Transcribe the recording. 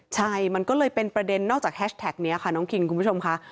ใช่มันก็เลยเป็นประเด็นนอกจากแฮชแท็กนี้ค่ะน้องคิงคุณผู้ชมค่ะ